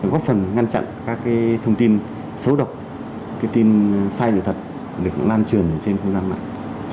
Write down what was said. góp phần ngăn chặn các thông tin xấu độc tin sai là thật được loan truyền trên khuôn an mạng